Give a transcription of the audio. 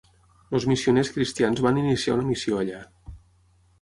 Els missioners cristians van iniciar una missió allà.